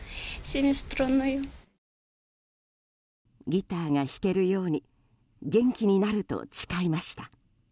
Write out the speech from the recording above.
ギターが弾けるように元気になると誓いました。